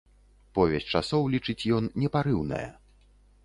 Повязь часоў, лічыць ён, непарыўная.